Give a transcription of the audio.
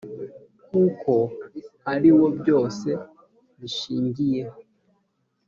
kuko ari wo byose bishingiyeho